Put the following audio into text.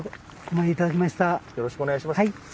よろしくお願いします。